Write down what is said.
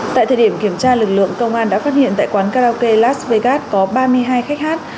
tại thời điểm kiểm tra lực lượng công an đã phát hiện tại quán karaoke las vegas có ba mươi hai khách hát